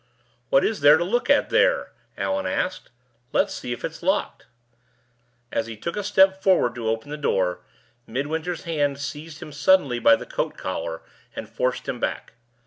"What is there to look at there?" Allan asked. "Let's see if it's locked." As he took a step forward to open the door, Midwinter's hand seized him suddenly by the coat collar and forced him back.